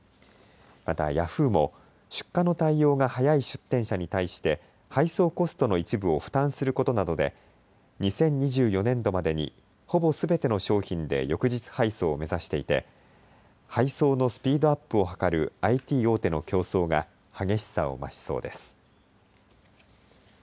またヤフーも出荷の対応が早い出店者に対して配送コストの一部を負担することなどで２０２４年度までにほぼすべての商品で翌日配送を目指していて配送のスピードアップを図るＩＴ大手の競争が激しさを増しそうです。